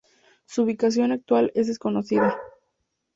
Su ubicación actual es desconocida.